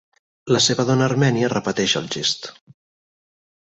La seva dona armènia repeteix el gest.